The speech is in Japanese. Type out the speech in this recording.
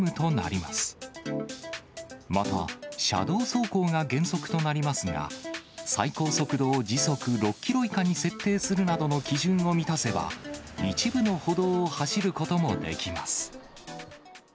また、車道走行が原則となりますが、最高速度を時速６キロ以下に設定するなどの基準を満たせば、一部の歩道を走ることもできます。